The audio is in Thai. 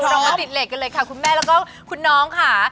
เรามาติดเหล็กกันเลยค่ะคุณแม่แล้วก็คุณน้องค่ะ